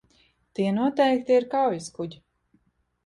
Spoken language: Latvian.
Tie noteikti ir kaujaskuģi.